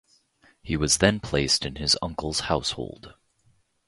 He was then placed in his uncle's household.